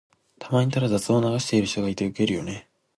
たまにただ雑音を流してる人がいてウケるよね。